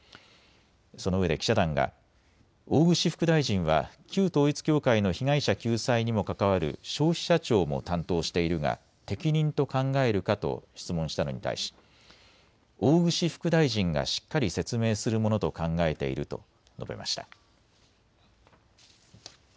そのうえで記者団が大串副大臣は旧統一教会の被害者救済にも関わる消費者庁も担当しているが適任と考えるかと質問したのに対し大串副大臣がしっかり説明するものと考えていると述べました。